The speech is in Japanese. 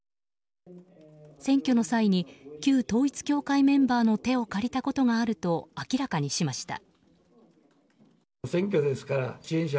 選挙の際に旧統一教会メンバーの手を借りたことがあると明らかにしました。